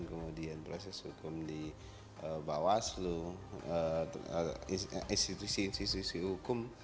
kemudian proses hukum di bawah seluruh institusi institusi hukum